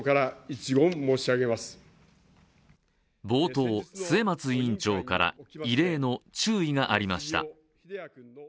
冒頭、末松委員長から異例の注意がありました。